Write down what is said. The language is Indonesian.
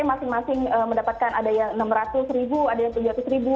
masing masing mendapatkan ada yang rp enam ratus ada yang rp tujuh ratus